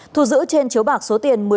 thu giữ trên chiếu bạc số tiền